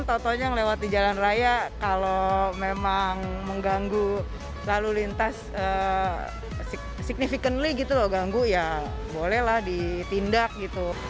kalau memang mengganggu lalu lintas signifikan li gitu loh ganggu ya bolehlah ditindak gitu